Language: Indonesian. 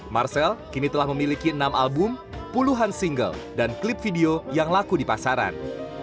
marcel kini telah memiliki enam album puluhan single dan klip video yang laku di pasaran